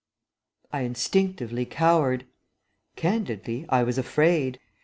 I instinctively cowered. Candidly, I was afraid.